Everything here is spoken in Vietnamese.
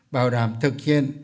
bảo đảm thực hiện